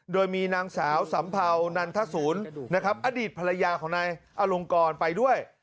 โดยมีนางสาวสัมเภานันทศูนย์นะครับอดีตภรรยาของนายอลงกรไปด้วย